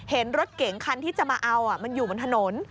เห็นรถเก๋งคันที่จะมาเอามันอยู่บนถนน